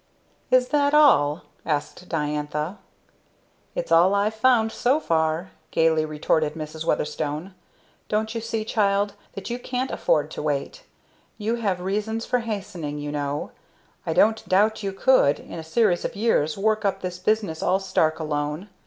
"Is that all?" asked Diantha. "It's all I've found so far," gaily retorted Mrs. Weatherstone. "Don't you see, child, that you can't afford to wait? You have reasons for hastening, you know. I don't doubt you could, in a series of years, work up this business all stark alone.